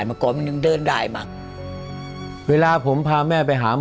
เมื่อก่อนมันยังเดินได้มั้งเวลาผมพาแม่ไปหาหมอ